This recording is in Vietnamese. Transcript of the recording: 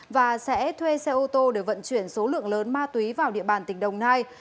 và sẽ thuê xe ô tô để vận chuyển số lượng lớn ma túy vào địa bàn tỉnh đồng nai